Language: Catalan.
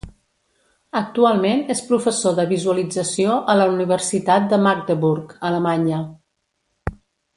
Actualment és professor de visualització a la Universitat de Magdeburg, Alemanya.